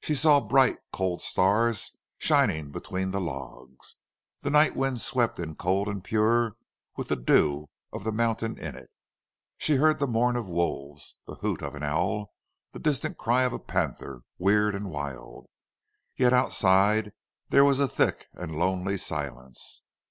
She saw bright, cold stars shining between the logs. The night wind swept in cold and pure, with the dew of the mountain in it. She heard the mourn of wolves, the hoot of an owl, the distant cry of a panther, weird and wild. Yet outside there was a thick and lonely silence.